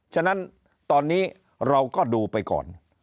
ฉะนั้นตอนนี้เราก็ดูไปก่อน